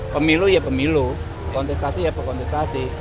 pemilu ya pemilu kontestasi ya berkontestasi